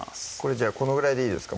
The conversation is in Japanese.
じゃあこのぐらいでいいですか？